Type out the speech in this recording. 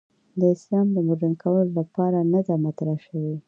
د اسلام د مډرن کولو خبره نه ده مطرح شوې.